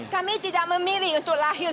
kami tidak memilih untuk lahir